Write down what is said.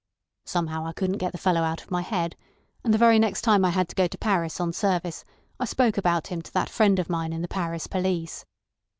Somehow I couldn't get the fellow out of my head, and the very next time I had to go to Paris on service I spoke about him to that friend of mine in the Paris police.